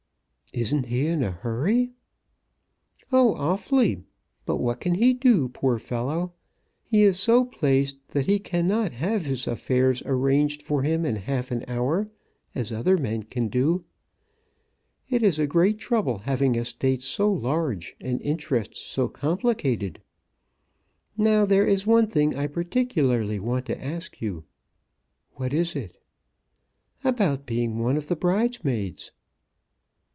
"Isn't he in a hurry?" "Oh, awfully; but what can he do, poor fellow? He is so placed that he cannot have his affairs arranged for him in half an hour, as other men can do. It is a great trouble having estates so large and interests so complicated! Now there is one thing I particularly want to ask you." "What is it?" "About being one of the bridesmaids."